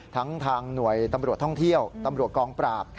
ทั้งทางหน่วยตำรวจท่องเที่ยวตำรวจกองปราบ